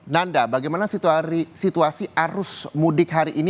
nanda bagaimana situasi arus mudik hari ini